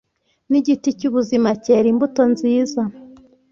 ni igiti cy ubuzima cyera imbuto nziza